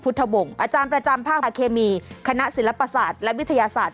วงศ์อาจารย์ประจำภาคอาเคมีคณะศิลปศาสตร์และวิทยาศาสตร์